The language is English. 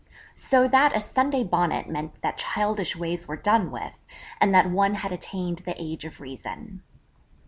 So that a Sunday Bonnet meant that childish ways were done with, and that one had attained the age of reason.